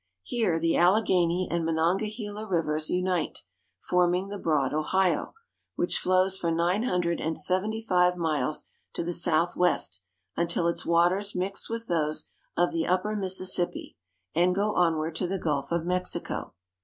Here the Allegheny and Monongahela rivers unite, forming the broad Ohio, which flows for nine hun dred and seventy five miles to the southwest, until its waters mix with those of the upper Mississippi and go onward to the Gulf of Mexico.